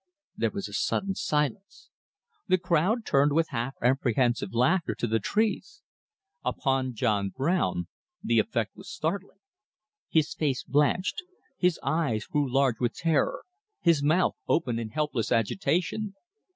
There was a sudden silence. The crowd turned with half apprehensive laughter to the trees. Upon John Brown the effect was startling. His face blanched, his eyes grew large with terror, his mouth opened in helpless agitation.